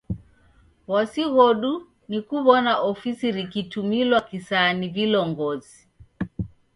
W'asi ghodu ni kuw'ona ofisi rikitumilwa kisaya ni vilongozi.